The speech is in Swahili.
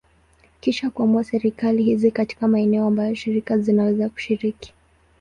Kisha kuamua serikali hizi katika maeneo ambayo shirika zinaweza kushiriki.